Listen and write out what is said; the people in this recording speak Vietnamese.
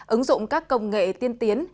ứng dụng các công nghệ tiên tiến